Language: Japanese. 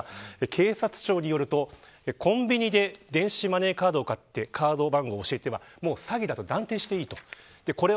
警察庁によるとコンビニで、電子マネーを買ってカード番号を教えては詐欺だと断定していい。